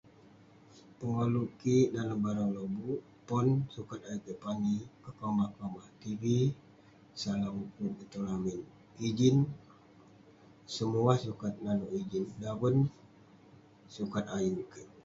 Pegoluk kik dalem barang lobuk pon sukat ayuk kek pani konak konak keh bi kalau ukuk kik tong lamin ngejin semua sukat nanuek ireh daven sukat ayuk kek